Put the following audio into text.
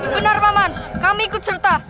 benar paman kami ikut serta